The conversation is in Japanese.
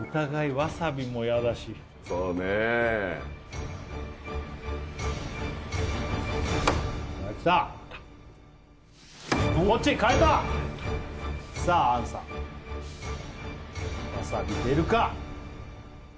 わさび出るか？